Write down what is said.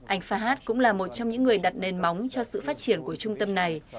anh fahad cũng là một trong những người đặt nền móng cho sự phát triển của trung tâm này